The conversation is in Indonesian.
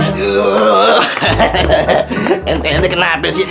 aduh ente ini kenapa sih